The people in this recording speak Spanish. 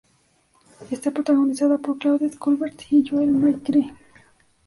Está protagonizada por Claudette Colbert y Joel McCrea.